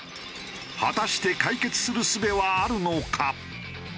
果たして解決するすべはあるのか？